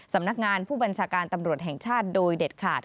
สำนักงานผู้บัญชาการตำรวจแห่งชาติโดยเด็ดขาด